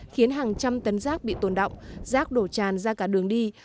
khiến hàng trăm tấn rác bị tồn động rác đổ tràn ra cả đường đi